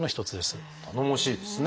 頼もしいですね。